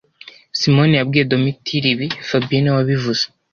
Simoni yabwiye Domitira ibi fabien niwe wabivuze